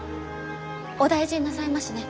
お大事になさいましね。